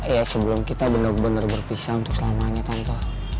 ya sebelum kita bener bener berpisah untuk selamanya tante